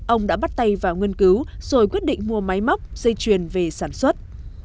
ông đã bắt tay vào nghiên cứu rồi quyết định mua máy móc xây truyền về sản xuất